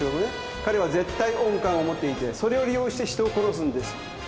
彼は絶対音感を持っていてそれを利用して人を殺すんです。